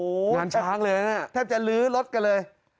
งานช้างเลยนะแทบจะลื้อรถกันเลย